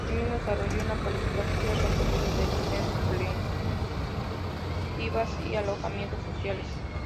Asimismo desarrolló una política social con seguros de accidentes, cooperativas y alojamientos sociales.